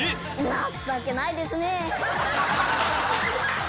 「なっさけないですね！」。